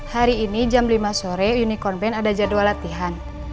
hari ini jam lima sore unicorn band ada jadwal latihan